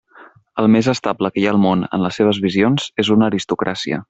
El més estable que hi ha al món en les seves visions és una aristocràcia.